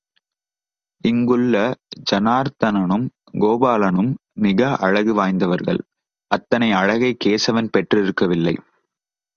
இங்குள்ள ஜனார்த்தனனும், கோபாலனும் மிக அழகு வாய்ந்தவர்கள், அத்தனை அழகை கேசவன் பெற்றிருக்கவில்லை.